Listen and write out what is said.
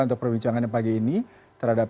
untuk perbincangannya pagi ini terhadap